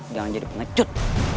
jangan jadi pengecut